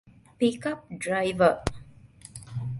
ޕިކަޕް ޑްރައިވަރ